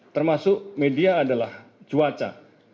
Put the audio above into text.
termasuk media adalah cuaca